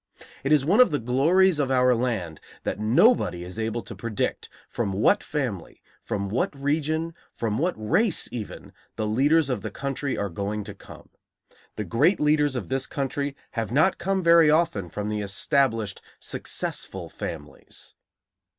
It is one of the glories of our land that nobody is able to predict from what family, from what region, from what race, even, the leaders of the country are going to come. The great leaders of this country have not come very often from the established, "successful" families.